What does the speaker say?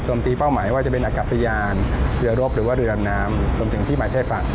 ตีเป้าหมายว่าจะเป็นอากาศยานเรือรบหรือว่าเรือดำน้ำรวมถึงที่มาใช้ฝั่ง